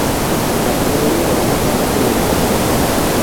দামিনী বলিল, অনেক বেলা হইয়া গেছে।